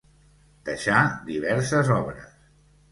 Deixà diverses obres.